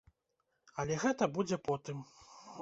Але гэта будзе потым.